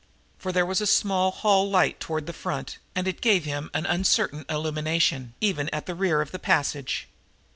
For there was a small hall light toward the front, and it gave him an uncertain illumination, even at the rear of the passage.